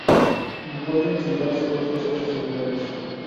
Y pueden citarse otros hechos similares.